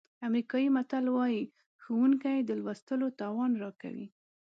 امریکایي متل وایي ښوونکي د لوستلو توان راکوي.